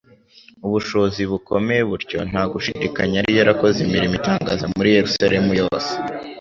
ubushobozi bukomeye butyo. Nta gushidikanya yari yarakoze imirimo itangaza muri Yerusalemu yose,